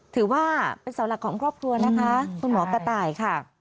ถือว่าเป็นเสาหลักของครอบครัวนะคะคุณหมอกระต่ายค่ะ